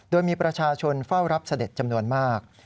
โดยมีประชาชนเฝ้ารับเสด็จจำนวนมาก